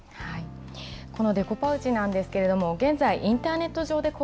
このデコパウチなんですけれども、現在インターネット上で公